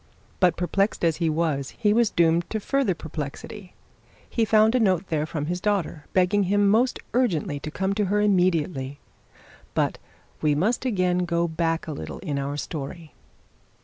But, perplexed as he was, he was doomed to further perplexity. He found a note there from his daughter, begging him to most urgently to come to her immediately. But we must again go back a little in our story.